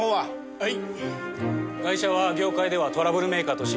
はい。